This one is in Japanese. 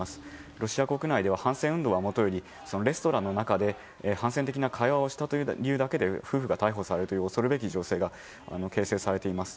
ロシア国内では反戦運動はもとよりレストランの中で反戦的な会話をしたというだけで逮捕されるという情勢が形成されています。